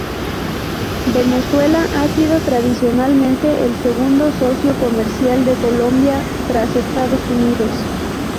Venezuela ha sido tradicionalmente el segundo socio comercial de Colombia, tras Estados Unidos.